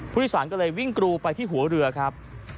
ผู้โดยสารก็เลยวิ่งกรูไปที่หัวเรือครับ